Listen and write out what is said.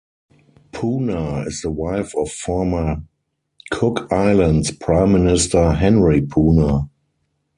Puna is the wife of former Cook Islands Prime Minister Henry Puna.